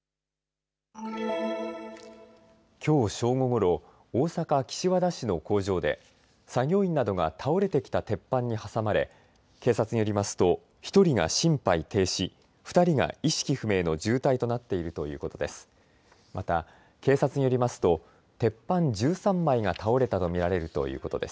きょう正午ごろ、大阪岸和田市の工場で作業員などが倒れてきた鉄板に挟まれ、警察によりますと１人が心肺停止、２人が意識不明の重体となっているということです。